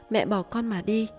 mẹ bỏ con mà đi